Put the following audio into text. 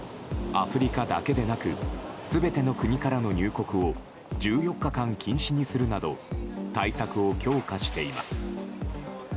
アフリカだけでなく全ての国からの入国を１４日間禁止にするなど対策を強化しています。